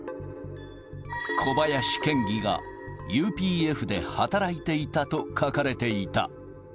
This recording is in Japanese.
小林県議が、ＵＰＦで働いていたと書かれていた。